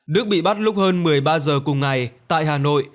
đức bị bắt lúc hơn một mươi ba h cùng ngày tại hà nội